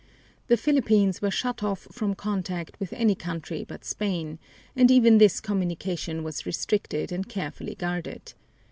The Philippines were shut off from contact with any country but Spain, and even this communication was restricted and carefully guarded.